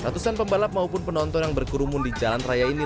ratusan pembalap maupun penonton yang berkerumun di jalan raya ini